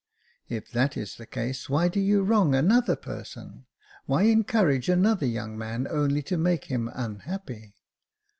" If that is the case, why do you wrong another person ? why encourage another young man only to make him unhappy